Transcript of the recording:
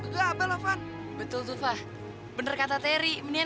aduh makasih ya tante ya